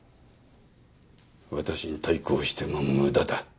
私に対抗しても無駄だ。